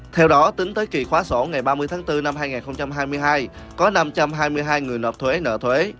theo đó tính tới kỳ khóa sổ ngày ba mươi tháng bốn năm hai nghìn hai mươi hai có năm trăm hai mươi hai người nộp thuế nợ thuế